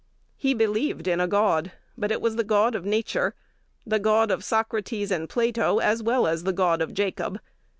He believed in a God, but it was the God of nature, the God of Socrates and Plato, as well as the God of Jacob.